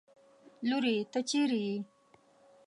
لورې! ته چېرې يې؟